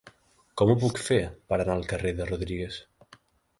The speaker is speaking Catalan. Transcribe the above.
Com ho puc fer per anar al carrer de Rodríguez?